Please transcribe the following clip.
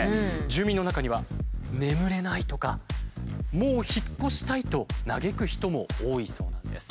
住民の中には「眠れない」とか「もう引っ越したい」と嘆く人も多いそうなんです。